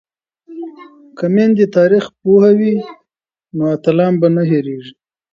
که میندې تاریخ پوهې وي نو اتلان به نه هیریږي.